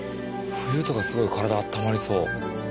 冬とかすごい体あったまりそう。